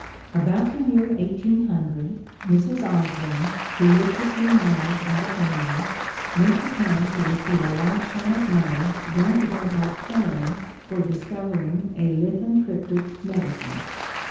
About the year 1800, Mrs. Osburn, who lived a few miles out of London, went to town to receive a large sum of money granted her by Parliament for discovering a lithontryptic medicine.